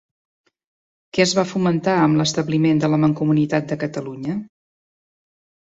Què es va fomentar amb l'establiment de la Mancomunitat de Catalunya?